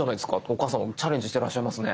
お母さんチャレンジしてらっしゃいますね。